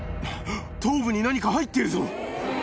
頭部に何か入ってるぞ！